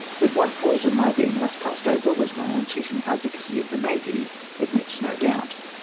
That one cause of my being thus passed over was my unceasing advocacy of the navy, admits of no doubt.